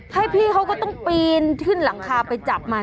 ให้พี่เขาก็ต้องปีนขึ้นหลังคาไปจับมัน